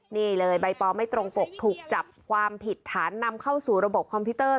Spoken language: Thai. นี่เลยใบปอไม่ตรงปกถูกจับความผิดฐานนำเข้าสู่ระบบคอมพิวเตอร์